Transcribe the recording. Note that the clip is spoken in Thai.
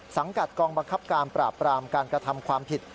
สังกัดกองบังคับการปราบปรามการกระทำความผิด